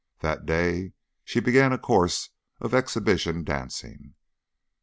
That day she began a course of exhibition dancing.